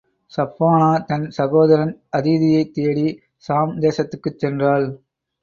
ஸஃப்பானா தன் சகோதரன் அதீயைத் தேடி, ஷாம் தேசத்துக்குச் சென்றாள்.